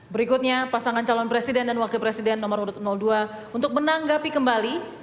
berikutnya pasangan calon presiden dan wakil presiden nomor urut dua untuk menanggapi kembali